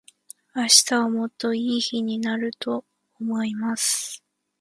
明日はもっと良い日になると思います。